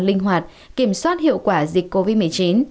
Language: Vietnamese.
linh hoạt kiểm soát hiệu quả dịch covid một mươi chín